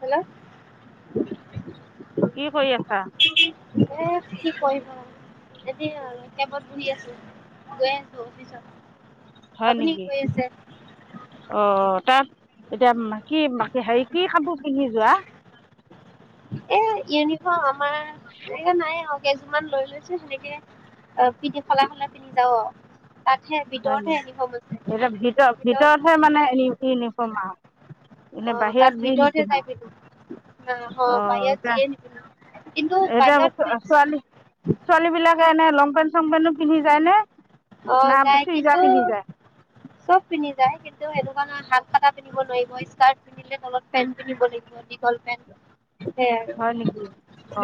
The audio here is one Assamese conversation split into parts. হেল্ল'। কি কৰি আছা? এ কি কৰিবা। এতিয়া, কেবত বহি আছো, গৈ আছো অফিচত। হয় আপুনি কি নেকি, কৰি আছে অ', তাত এতিয়া মা কি, হেৰি কি কাপোৰ পিন্ধি যোৱা? এ ইউনিফৰ্ম আমাৰ, এয়া নাই আৰু। কেইযোৰমান লৈ লৈছো সেনেকে, পিন্ধি সলাই, সলাই পিন্ধি যাওঁ আৰু। তাতহে হয় ভিতৰতহে নেকি আনিব গৈছে। এতিয়া, ভিতৰত ভিতৰতহে মানে ইউনিফৰ্ম আৰু, অ এনে তাত বাহিৰত যি ভিতৰতহে যাই নিপিন্ধ। পিন্ধো অ', বাহিৰত যা, যিয়ে নিপিন্ধো। কিন্তু এতিয়া, বাহিৰত ছোৱালী? ছোৱালী বিলাকে এনে, লং পেন্ট-চং পেণ্টো পিন্ধি যায় নে? না অ', যায় চুইজাৰ কিন্তু পিন্ধি চব পিন্ধি যায়, কিন্তু সেনেকুৱা হাফ কটা পিন্ধিব নোৱাৰিব স্কাৰ্ট। তলত পেন্ট পিন্ধিব লাগিব, দীঘল পেন্ট সেইয়াই আৰু।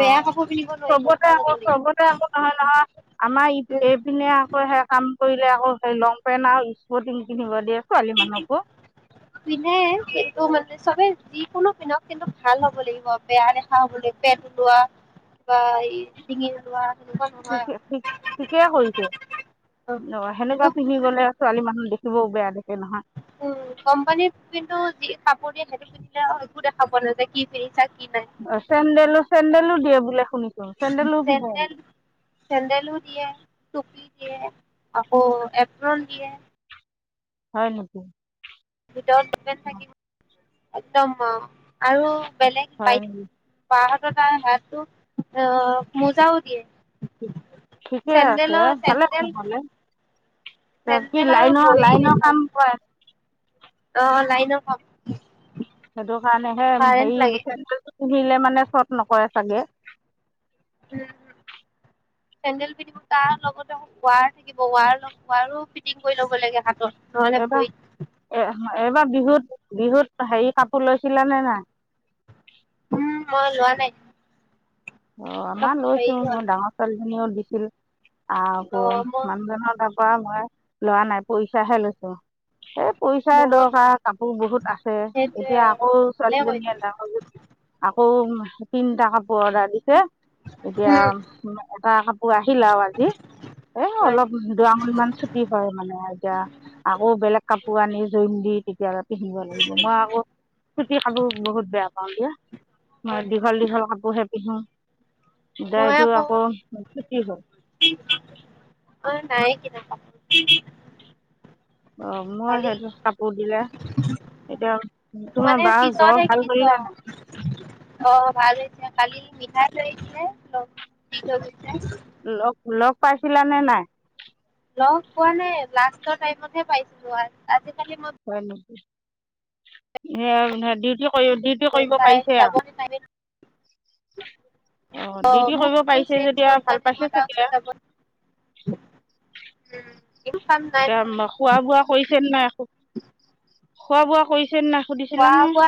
বেয়া কাপোৰ পিন্ধিব নোৱাৰিব চবতে ভাল আকৌ, হ'ব লাগিব। চবতে আকৌ, নহয় নহয় আমাৰ এইপিনে সে কাম কৰিলে আকৌ, সেই লং পেন্ট আৰু স্কুৰ্টি পিন্ধিব দিয়ে ছোৱালী মানুহকো। পিন্ধে, সেইটো মানে চবে যিকোনো পিন্ধক, কিন্তু ভাল হ'ব লাগিব। বেয়া দে দেখা হবলৈ পেট ওলোৱা, কিবা এই দিঙি ওলোৱা সেনেকুৱা নহয় ঠিকে, ঠিকে কৰিছে, আৰু। অ', সেইটো সেনেকুৱা পিন্ধি গ'লে ছোৱালী মানুহ দেখিবও বেয়া দেখে নহয়। উম, কোম্পানীত কিন্তু, যি কাপোৰ দিয়ে, সেইটো পিন্ধিলে একো দেখা পোৱা নাযায়। কি পেইচা কি নাই। অ', চেণ্ডেলো, চেণ্ডেলো দিয়ে বোলে, শুনিছোঁ চেণ্ডেলো পিন্ধে। চেণ্ডেলো দিয়ে, টুপি দিয়ে, আকৌ এপ্ৰন দিয়ে। হয় নেকি। ভিতৰতে থাকিব, একদম আৰু বেলেগ হয় বাই নেকি বাহতৰ তাত হাতটো অ', মোজাও দিয়ে। ঠিকে আছে চেন্দলো, ভালে চেন্দেল। নহ'লে কি চেণ্ডেল আৰু লাইনৰ ভৰিত লাইনৰ একদম, কাম কৰে অ', লাইনত সেইটো কাৰণে, হে হেৰি লাগে। চেন্দেলটো পিন্ধিলে মানে চৰ্ট নকৰে চাগে। উম, চেণ্ডেল পিন্ধিব, তাৰ লগতে আকৌ ৱাৰ লিখিব ৱাৰ ৱাৰো ফিটিং কৰি ল'ব লাগে হাতৰ। এইবাৰ এ এইবাৰ বিহুত বিহুত হেৰি কাপোৰ লৈছিলে নে নাই? উম মই লোৱা নাই। অ অলপ আমাৰ হেৰি লৈছো, হ'ল মই ডাঙৰ ছোৱালীজনীও দিছিল আকৌ অ' মই মানুহজনত পৰা মই লৱা নাই পৰীক্ষা হে লৈছোঁ। এই পইচাই মোৰ দৰকাৰ কাপোৰ বহুত আছে। সেইটোৱে এতিয়া আকৌ ভালে কৰিছে ছোৱালীজনীয়ে ডাঙৰ জনীক আকৌ তিনিটা কাপোৰ অৰ্ডাৰ দিছে, এতিয়া উম, এটা কাপোৰ আহিল আৰু আজি, এ হয় নেকি অলপ দুআঙৰি মান ছুটি হয় মানে এতিয়া আকৌ বেলেগ কাপোৰ আনি জইন দি তেতিয়া পিব লাগিব, মই আকৌ চুটি খালো বহুত বেয়া পাওঁ দিয়া। হয় মই নেকি দীঘল দীঘল কাপোৰ হে পিন্ধো। এতিয়া এইটো আকৌ চুটি হয়। [unintelligible] অঁ মই কালি সেইটোত কাপোৰ দিলে। এতিয়া তোমাৰ বাৰ জ্বৰ ভাল হ'ল নে নাই? অঁ ভাল হৈছে কালি মিঠাই লৈ আহিছিলে লগ দি থয় গৈছে। লগ লগ পাইছিলা নে নাই? লগ পোৱা নাই লাষ্টৰ টাইমতহে পাইছিলো, আজিকালি মই হয় নেকি? সে ডিউটি কৰি ডিউ [inaudible] আৰু অঁ ডিউটি কৰিব পাৰিছে [inaudible] যেতিয়া ভাল পাইছে চাগে [inaudible] একো কাম নাই নহয় এতিয়া খোৱা বোৱা কৰিছে নাই ক? একো খোৱা বোৱা কৰিছে নাই? খোৱা সুধিছিলানে বোৱা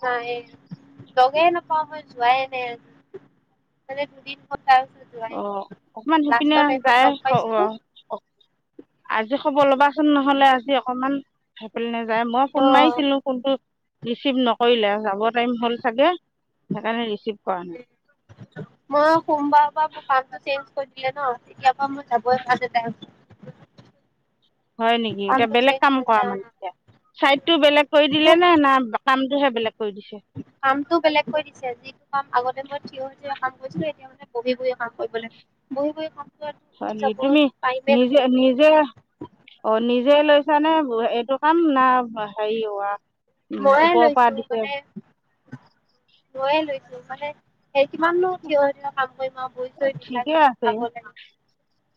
হয়, লগে নাপাওঁ মই যোৱাই নাই। [inaudible] অ, অকমান সেইপিনে লাষ্টৰ টাইমত যায় লগ হ অ পাইছিলো অ, আজি খবৰ ল'বাচোন নহলে আজি অকমান থাকিল নে যাই মই ফোন ত' মাৰিছিলো, ফোনটো ৰিচিভ নকৰিলে, যাব টাইম হ'ল চাগে সেইকাৰণে ৰিচিভ কৰা নাই। [unintelligible] মই সোমবাৰৰ পৰা মোৰ কামটো চেঞ্জ কৰি দিলে ন, তেতিয়া পৰা মই যাব হোৱা নাই [unintelligible] হয় নেকি এতিয়া কামটো বেলেগ চেঞ্জ কাম কৰা মানে হৈছে এতিয়া, চাইডতটো বেলেগ কৰি দিলে নে না কামটোহে বেলেগ কৰি দিছে। কামটো বেলেগ কৈ দিছে, যিটো কাম আগতে মই থিয় হৈ থিয় হৈ কাম কৰিছিলো এতিয়া বহি বহি কাম কৰিব লাগে, বহি বহি কাম কৰাটো উঠি হয় নি, যাব তুমি টাইমে নিজে নহয় নিজে অ নিজে লৈছানে এইটো কাম না হেৰি হোৱা? ময়ে লৈছো মানে, ময়ে লৈছো মানে। এই কিমাননো থিয় থিয় কাম কৰিম আও ভৰি অ, চৰি ঠিকে আছে বিষাই গৈছে।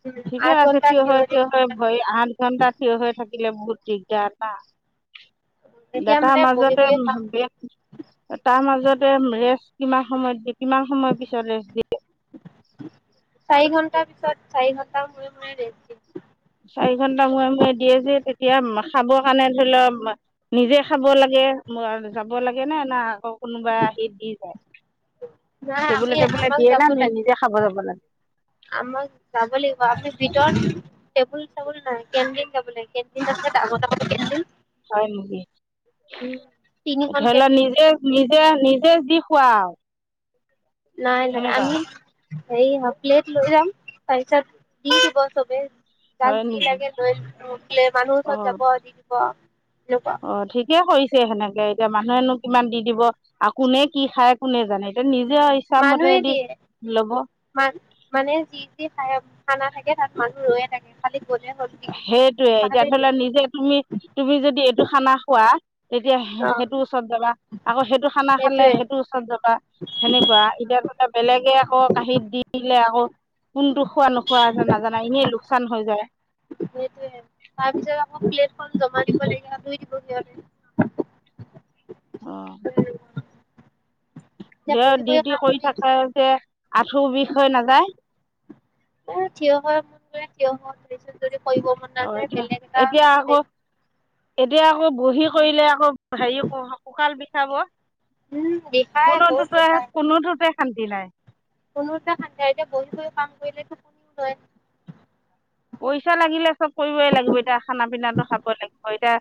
উম ঠিকে আঠ আছে, ঘন্টা থিয় হয় হৈ থিয় থাকিব হয় লাগে ভৰি আগ ঘণ্টা থিয় হৈ থাকিলে বহুত দিগদাৰ না। এতিয়া দাতা মানে বহি মাজতে বহি কাম এ তাৰ মাজতে ৰেষ্ট কিমান সময় দিয়ে কিমান সময়ৰ পিছত ৰেষ্ট দি চাৰি ঘন্টা পিছত, চাৰি ঘটা মূৰে মুৰে দিয়ে। চাৰি ঘন্টা মূৰে মূৰে দিয়ে যে তেতিয়া খাবৰ কাৰণে ধৰি ল নিজে খাব লাগে ম-যাব লাগে নে না আকৌ কোনোবা আহি দি যায়, নাই আমি টেবুল টেবুল আমাক দিয়ে নে নিজে খাব যাব লাগে? আমাৰ যাব লাগিব, আমি ভিতৰত টেবুল চাবুল নাই, কেণ্টিন যাব লাগে, কেণ্টিন আছে [unintelligible] হয় নেকি? উম, তিনিখন ধৰি লা কেণ্টিন নিজে নিজে নিজে যি খোৱা আও। নাই নাই। আমি হেৰি হাফ প্লেট লৈ যাম তাৰপাছত দি দিব চবে যাক হয় যি নেকি লাগে। লৈ উঠিলে মানুহ অ ওচৰত যাব দি দিব, সেনেকোৱা। অ' ঠিকে কৰিছে সেনেকে, এতিয়া মানুহেনো কিমান দি দিব। আ কোনে কি খায় কোনে জানে, এতিয়া নিজে ইচ্ছামতে মানুহে দি দিয়ে। ল'ব মান মানে যি যি খা-খানা থাকে তাত মানুহ ৰৈয়ে থাকে খালি গ'লে হ'ল। দিব সেইটয়ে, এতিয়া ধৰি ল নিজে তুমি, তুমি যদি এইটো খানা খোৱা তেতিয়া অ সেইটো ওচৰত যাবা আকৌ সেইটো খানা খালে সেইটোয়ে সেইটো চত যাব সেনেকুৱা, এতিয়া ধৰি লোৱা বেলেগে আকৌ কাঁহীত দি দিলে আকৌ কোনটো খোৱা নোখোৱা এটা নাজানা এনেই লোকচান হৈ যায়। সেইটোয়ে তাৰপিছত আকৌ প্লেটখন জমা দিব লাগে ধুই দিব সিহঁতে। অ'। এতিয়া দে বহি বহি ডিউটি কাম কৰি থাকে আছো যে আঁঠুৰ বিষ হৈ নাযায়? এ, থিয় হৈ মন থিয় মন যদি কৰিব মন অঁ নাযায় এতিয়া বেলেগ এটা এতিয়া আকৌ এতিয়া আকৌ বহি কৰিলে আকৌ হেৰি ক-কঁকাল বিষাব। উম বিষাই বহুত কোনোটোটে, কোনোটোতে শান্তি নাই। কোনোতে শান্তি নাই, এতিয়া বহি বহি কাম কৰিলেতো খুনিও [unintelligible] পইচা লাগিলে চব কৰিবই লাগিব এতিয়া। খানা পিনাটো খাব লাগিব। এতিয়া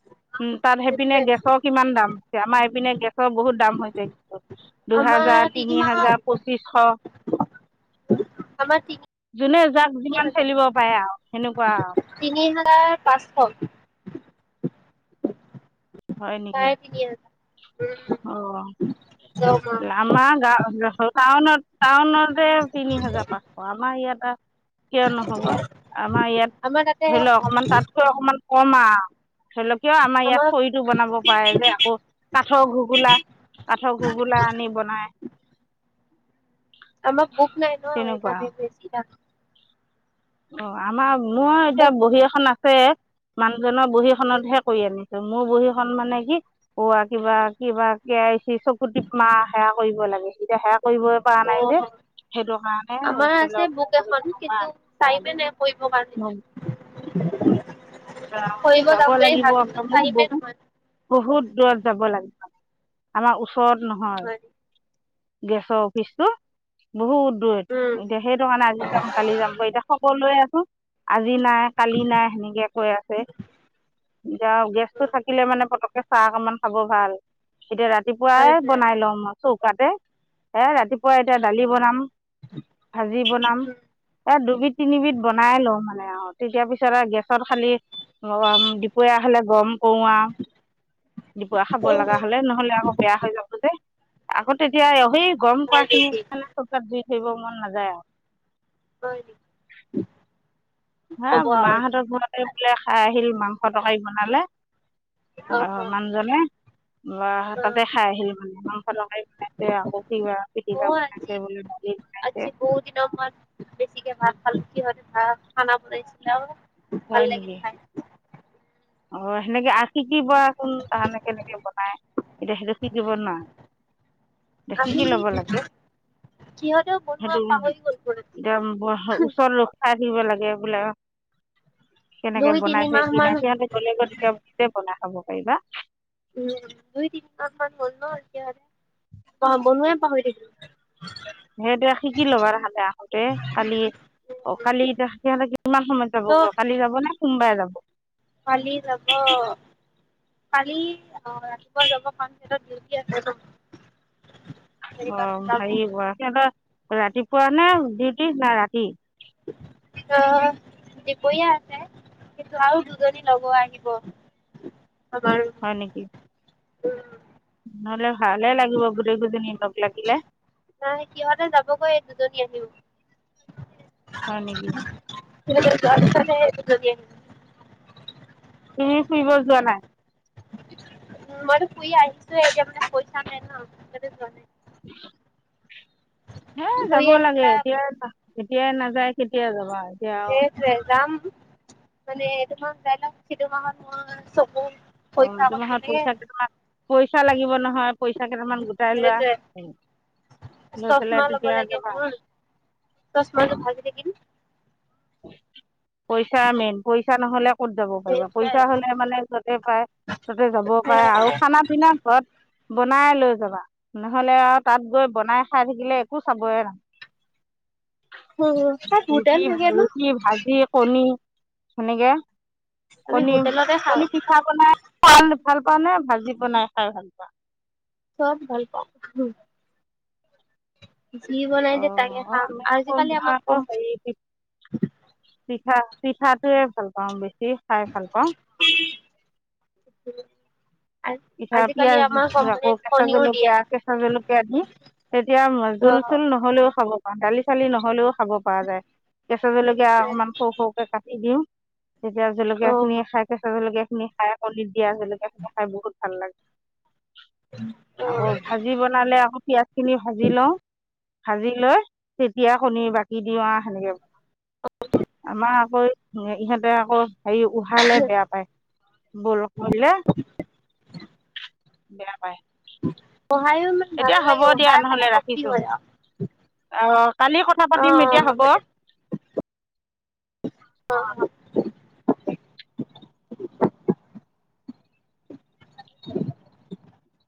উম, তাত সেইপিনে সেইটোৱে গেছক কিমান দাম হৈছে। আমাৰ এইপিনে গেছৰ বহুত দাম হৈছে কিন্তু আমাৰ দুহাজাৰ, তিনি মাহত হাজাৰ, পঁচিছশ। আমাৰ কি কি যোনে যাক যিমান ঠেলিব পাৰে আৰু। সেনেকুৱা তিনি হাজাৰ পাঁচশ। হয় নেকি চাৰে তিনি হাজাৰ, অঁ উম। দৰমহা আমাৰ গাওঁ অঞ্চলৰ, টাউনত টাউনতে তিনি হাজাৰ পাঁচশ। আমাৰ ইয়াতা কিয় নহ'ব, আমাৰ ইয়াত আমাৰ তাতে ধৰি ল অকমান তাত কৈ অকমান ক'ম আ, ধৰি ল কিয় আমাৰ ইয়াত খৰিত টো বনাব পাৰে যে, আকৌ কাঠৰ ঘগোলা কাঠৰ ঘগোলা আনি বনাই। আমাৰ বুক নাই ন' তেনেকুৱা সেইকাৰণে বেছি দাম। অ' আমাৰ মোৰ এতিয়া বুক বহী এখন আছে। মানুহজনৰ বহীখনতহে কৰি আনিছোঁ, মোৰ বহীখনন মানে কি কোৱা কিবা কিবা কে ৱায় চি, চকু টিপ মাৰা সেয়া কৰিব লাগে, এতিয়া সেয়া কৰিব পোৱা নাই যে অ' সেইটো কাৰণে ধৰি লওক [unintelligible] চাই পিনে কৰিব পাৰি। অ যাব লাগিব [unintelligible] টাইমে বহু নহয়। বহুত দূৰত যাব লাগে, আমাৰ ওচৰত নহয়। গেছৰ অফিচতো বহুত উম দূৰত। এতিয়া সেইটো কাৰণে আজি যাম কালি যাম কৈ এতিয়া খবৰ লৈ আছো আজি নাই কালি নাই সেনেকে কৈ আছে। এতিয়া গেছটো থাকিলে মানে পতকে চাহ অকমান খাব ভাল। এতিয়া ৰাতিপুৱাই সেইটোৱে বনাই লো মই চৌকাতে। এ ৰাতিপুৱা এতিয়া দালি বনাম, ভাজি বনাম, এ দুবিধ তিনিবিধ বনাই লওঁ মানে আৰু তেতিয়া পিছত আৰু গেছত খালি উম দুপৰীয়া হ'লে গম কৰো আউ। দিপৰীয়া খাব হয় লগা হ'লে, নহ'লে আকৌ বেয়া হৈ যাব যে। আকৌ তেতিয়া সেই গৰম কৰা নেকি খিনি কাৰণে চৌকাত জুই ধৰিব মন নাযায় আৰ। [unintelligible] হা হ'ব আৰু মাহঁতৰ এতিয়া ঘৰতে বোলে খাই আহিল মাংস তৰকাৰি বনালে অ মানুহজনে বা অ তাতে খাই আহিল মানে মাংস তৰকাৰী বনাইছে আকৌ কিবা মইও পিটীকা বনাই তাতে আজি বোলে দালি বনাইছে [inaudible] বেছিকে ভাত খালে কি হয় [unintelligible] বনাইছিলে আৰু ভাল লাগিল খাই। অ সেনেকে আকৃতিবোৰ কোন তাহানে কেনেকে বনাই, এতিয়া সেইটো শিকিব [unintelligible] এতিয়া শিকি আমি ল'ব লাগে সিহঁতেও বনোৱা পাহৰি গ'ল বোলে। [unintelligible] কেনেকে দুই তিনি বনাইছে মাহ কি মান নাই, সিহঁতি গ'লে গৈ তেতিয়া নিজেই বনাই খাব পাৰিবা। দুই-তিনিমাহ মান হ'ল ন [unintelligible] অ বনোৱাই পাহৰি থাকিলোঁ। সেইটোৱে শিকি লোবা তাহালে আহোঁতে কালি অ কালি এতিয়া সিহঁতে কিমান সময়ত যাব চব কালি যাব নে সোমবাৰে যাব? কালি যাব। কালি আহ ৰাতিপুৱা যাব [unintelligible] অ হেৰি যাব যোৱা সিহঁতৰ ৰাতিপুৱা নে ডিউটি না ৰাতি? অ দিপৰীয়া আছে। কিন্তু আৰু দুজনী ল'ব আহিব আমাৰ হয় নেকি? উম, নহ'লে ভালে লাগিব গোটেই কেইজনীয়ে লগ লাগিলে। নাই সিহঁতে যাবগৈ দুজনী আহিব। হয় নেকি? [unintelligible] তুমি ফুৰিব যোৱা নাই? মইটো ফুৰি আহিছোঁৱে এতিয়া মানে পইচা নাই ন সেইকাৰণে যোৱা নাই। [inaudible] হে ফুৰি যাব আহি লাগে, পেলাই এতিয়াই যা এতিয়াই নাযায় কেতিয়াই যাবা আৰু। এতিয়া এইটোৱে যাম মানে এইটো মাহ যাই লগ [unintelligible] অ তোমাৰ হাত পইচা কেইটামান পইচা লাগিব নহয় পইচা কেইটামান গোটাই লোৱা। সেইটোৱে নৈ পেলাই চশমা ল'ব তেতিয়া লাগে যাবা। মোৰ চশমাযোৰ ভাগি থাকিল পইচা মেইন পইচা নহ'লে ক'ত যাব পাৰিবা সেইটোৱে পইচা হ'লেহে মানে য'তে পায় ততে যাব পাৰা আৰু খানা পিনা ঘৰত বনাই লৈ যাবা নহ'লে আৰু তাত গৈ বনাই খাই থাকিলে একো চাবয়ে না [unintelligible] ৰুটি, থাকে ন ৰুটি, ভাজি, কণী। সেনেকে আমি কণী, হোটেলতে খাওঁ। কণী পিট পিঠা বনাই ভাল পোৱা নে ভাজি বনাই খাই ভাল পোৱা। চব ভাল পাওঁ। যি বনাই দিয়ে অঁ তাকে খাম আজিকালি আমাৰ কম পি পিঠা, পিঠাটোয়ে ভাল পাওঁ বেছি খাই ভাল পাওঁ। [unintelligible] পিঠা আজিকালি পিয়াঁজ আমাৰ আকৌ কোম্পানীত কেঁচা কণীও দিয়ে। জলকীয়া, কেঁচা জলকীয়া দি তেতিয়া জোল অ' চোল নহ'লেও খাব দালি চালি নহ'লেও খাব পৰা যায় কেঁচা জলকীয়া অকমান সৰু সৰুকে কাটি দিওঁ। তেতিয়া অ' জলকীয়া খিনি অ' খাই কেঁচা জলকীয়া খিনি খায় কণীত দিয়া জলকীয়া খিনি খাই বহুত ভাল লাগে। আকৌ ভাজি বনালে আকৌ পিয়াজ খিনি ভাজি লওঁ। ভাজি লৈ তেতিয়া কণী বাকি দিও সেনেকে ব আমাৰ আকৌ ইহঁতে আকৌ হেৰি উহালে বেয়া পায়। বইল কৰিলে বেয়া পাই। উহাইও মানে ভাল লাগে দিয়া উহাই খালে নহ'লে শক্তি ৰাখিছোঁ হয় আৰু অঁ কালি কথা অ', পাতিম এতিয়া অ' হ'ব দে। অ'। [unintelligible]